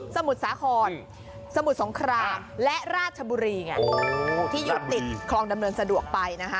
สมุทรสาขรสมุทรสงคราและราชบุรีที่ยุ่งติดคลองดำเนินสะดวกไป